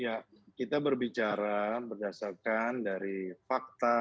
ya kita berbicara berdasarkan dari fakta